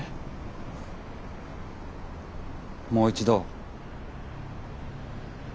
もう一度。